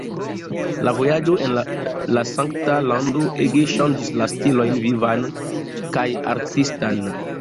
La vojaĝo en la Sankta Lando ege ŝanĝis la stilojn vivan kaj artistan.